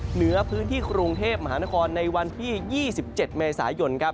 เหนือพื้นที่กรุงเทพมหานครในวันที่๒๗เมษายน